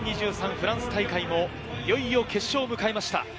フランス大会も、いよいよ決勝を迎えました。